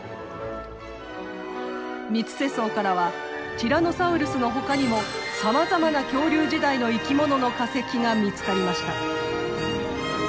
三ツ瀬層からはティラノサウルスのほかにもさまざまな恐竜時代の生き物の化石が見つかりました。